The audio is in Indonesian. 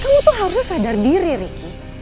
kamu tuh harusnya sadar diri riki